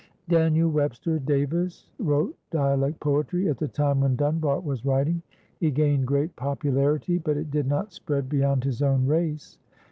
Daniel Webster Davis wrote dialect poetry at the time when Dunbar was writing. He gained great popularity, but it did not spread beyond his own race.